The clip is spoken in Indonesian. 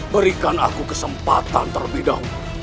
berikan aku kesempatan terlebih dahulu